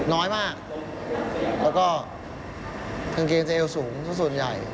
น้อยมากแล้วก็กางเกงจะเอวสูงส่วนใหญ่